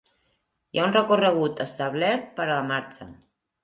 Hi ha un recorregut establert per a la marxa.